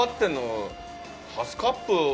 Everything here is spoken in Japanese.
ハスカップが。